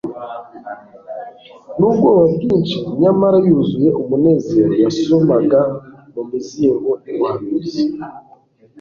N'ubwoba bwinshi nyamara yuzuye umunezero yasomaga mu mizingo y'ubuhanuzi,